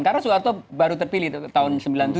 karena soeharto baru terpilih tahun sembilan puluh tujuh